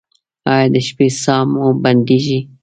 ایا د شپې ساه مو بندیږي؟